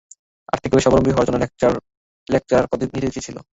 আর্থিকভাবে স্বাবলম্বী হওয়ার জন্য এই লেকচারার পদ নিতে হয়েছিল।